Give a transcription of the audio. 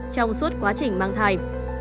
trong suốt quá trình mang thai